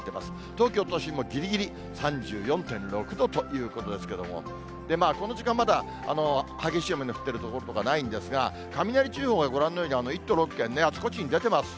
東京都心もぎりぎり３４．６度ということですけれども、この時間、まだ激しい雨の降っている所とかないんですが、雷注意報がご覧のように、１都６県、あちこちに出てます。